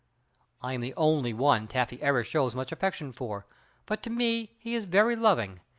I am the only one Taffy ever shows much affection for, but to me he is very loving.